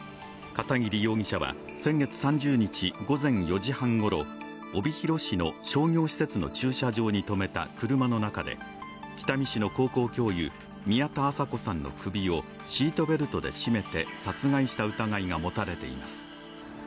片桐容疑者は先月３０日午前４時半ごろ、帯広市の商業施設の駐車場に止めた車の中で北見市の高校教諭宮田麻子さんの首をシートベルトで絞めて殺害した疑いが持たれています。